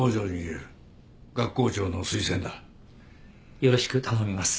よろしく頼みます。